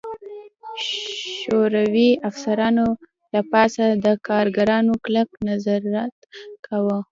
شوروي افسرانو له پاسه د کارګرانو کلک نظارت کاوه